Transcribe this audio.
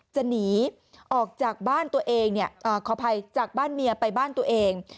จะหนีออกจากบ้านตัวเองขออภัยจากบ้านเมียไปบ้านตัวเอง